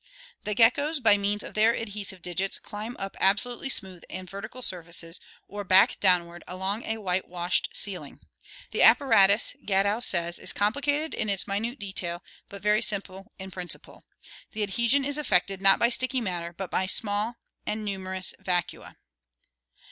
The geckoes, by means of their adhesive digits, climb up abso lutely smooth and vertical surfaces, or, back downward, along a whitewashed ceiling. The apparatus, Gadow says, is complicated in its minute detail, but very simple in principle. The adhesion is effected not by sticky matter, but by small and numerous vacua.